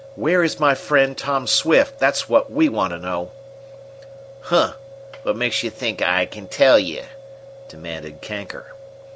"Where is my friend, Tom Swift? That's what we want to know." "Huh! What makes you think I can tell you?" demanded Kanker.